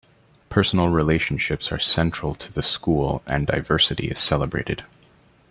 Personal relationships are central to the school, and diversity is celebrated.